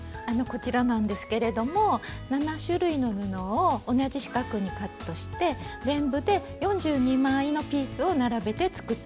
こちらなんですけれども７種類の布を同じ四角にカットして全部で４２枚のピースを並べて作ってみました。